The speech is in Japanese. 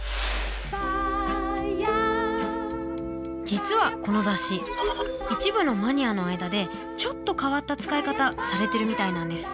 実はこの雑誌一部のマニアの間でちょっと変わった使い方されてるみたいなんです。